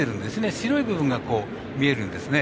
白い部分が見えるんですね。